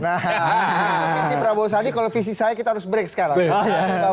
nah visi prabowo sandi kalau visi saya kita harus break sekarang